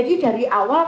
itu nggak disebutnya